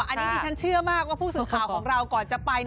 อันนี้ดิฉันเชื่อมากว่าผู้สื่อข่าวของเราก่อนจะไป